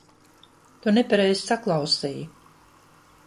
Tu nepareizi saklausīji.